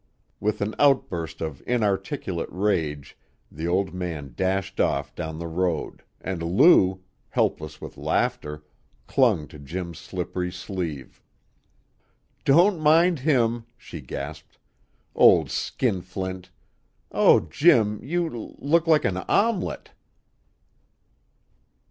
With an outburst of inarticulate rage the old man dashed off down the road, and Lou, helpless with laughter, clung to Jim's slippery sleeve. "Don't mind him," she gasped. "Old skinflint! Oh, Jim, you l look like an omelet."